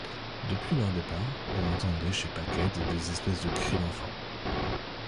Depuis leur départ, on entendait chez Paquette des espèces de cris d’enfant.